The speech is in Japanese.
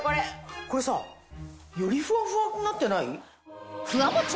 これさよりふわふわになってない？